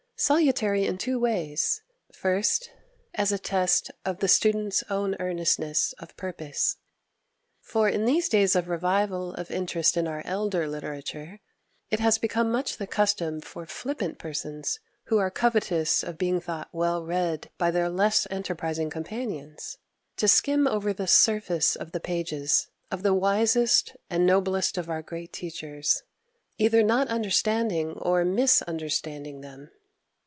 Salutary in two ways. First, as a test of the student's own earnestness of purpose. For in these days of revival of interest in our elder literature, it has become much the custom for flippant persons, who are covetous of being thought "well read" by their less enterprising companions, to skim over the surface of the pages of the wisest and noblest of our great teachers, either not understanding, or misunderstanding them.